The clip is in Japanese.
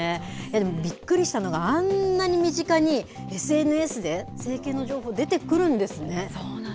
でもびっくりしたのが、あんなに身近にＳＮＳで、整形の情報出てくるんですね。